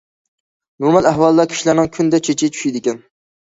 نورمال ئەھۋالدا، كىشىلەرنىڭ كۈندە چېچى چۈشىدىكەن.